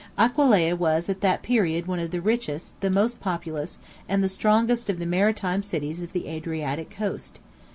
Aquileia was at that period one of the richest, the most populous, and the strongest of the maritime cities of the Adriatic coast.